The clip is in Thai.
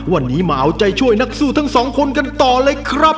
วันนี้มาเอาใจช่วยนักสู้ทั้งสองคนกันต่อเลยครับ